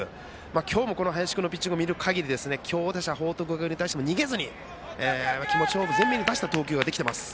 今日も林君のピッチングを見るかぎり強打者、報徳学園に対しても逃げずに気持ちを前面に出した投球ができています。